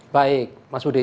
baik mas budi